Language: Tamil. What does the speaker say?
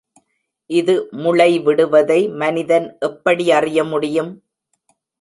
இது முளைவிடுவதை மனிதன் எப்படி அறிய முடியும்?